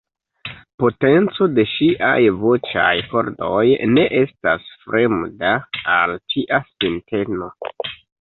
Potenco de ŝiaj voĉaj kordoj ne estas fremda al tia sinteno.